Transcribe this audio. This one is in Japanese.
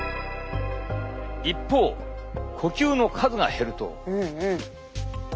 一方呼吸の数が減ると。